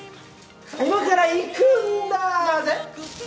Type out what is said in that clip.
今から行くんだＺＥ。